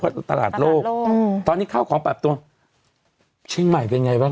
เพราะตลาดโลกตอนนี้ข้าวของแบบตัวเชียงใหม่เป็นไงบ้าง